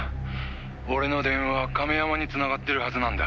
俺の電話亀山に繋がってるはずなんだ」